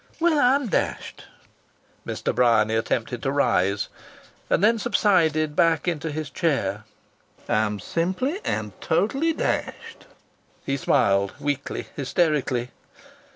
"Well, I'm dashed!" Mr. Bryany attempted to rise, and then subsided back into his chair. "I am simply and totally dashed!" He smiled weakly, hysterically.